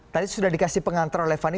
tadi sudah dikasih pengantar oleh fanny